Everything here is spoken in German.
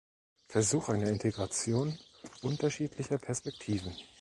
Versuch einer Integration unterschiedlicher Perspektiven.